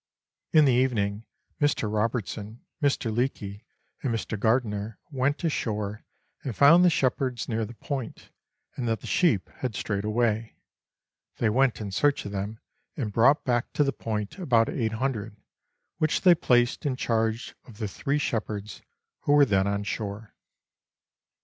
In the evening, Mr. Robertson, Mr. Leake, and Mr. Gardiner went ashore, and found the shepherds near the Point, and that the sheep had strayed away. They went in search of them, and brought back to the Point about 800, which they placed in charge of the three shepherds who were then on shore.